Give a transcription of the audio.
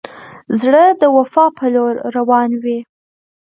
زړه د وفا پر لور روان وي.